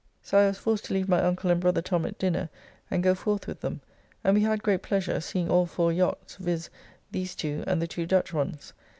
So I was forced to leave my uncle and brother Tom at dinner and go forth with them, and we had great pleasure, seeing all four yachts, viz., these two and the two Dutch ones.